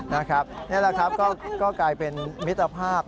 นี่แหละครับก็กลายเป็นมิตรภาพ